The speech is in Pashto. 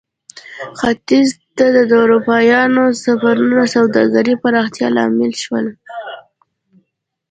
ختیځ ته د اروپایانو سفرونه د سوداګرۍ پراختیا لامل شول.